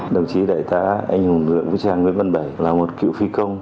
đồng chí đại tá anh hùng lực lượng vũ trang nguyễn văn bảy là một cựu phi công